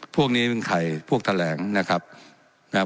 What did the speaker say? พวกนี้เป็นใครพวกแถลงนะครับนะครับ